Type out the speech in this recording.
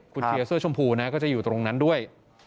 คุณเชียร์เสื้อชมพูนะก็จะอยู่ตรงนั้นด้วย